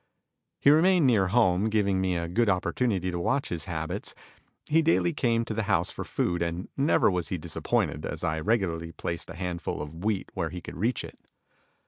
He remained near home, giving me a good opportunity to watch his habits. He daily came to the house for food, and never was he disappointed, as I regularly placed a handful of wheat where he could reach it.